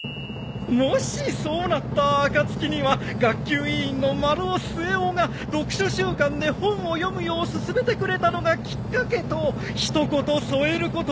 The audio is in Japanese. もしそうなった暁には学級委員の丸尾末男が読書週間で本を読むよう勧めてくれたのがきっかけと一言添えることをお忘れなく。